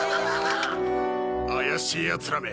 怪しいヤツらめ。